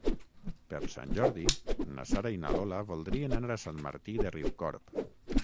Per Sant Jordi na Sara i na Lola voldrien anar a Sant Martí de Riucorb.